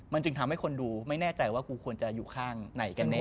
มันจึงทำให้คนดูไม่แน่ใจว่ากูควรจะอยู่ข้างไหนกันแน่